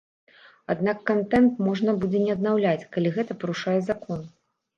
Аднак кантэнт можна будзе не аднаўляць, калі гэта парушае закон.